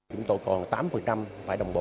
chúng tôi còn tám phải đồng bộ